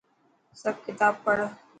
سب ڪتاب پڙهه.